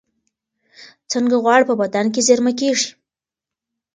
څنګه غوړ په بدن کې زېرمه کېږي؟